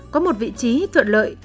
có một vị trí thuận lợi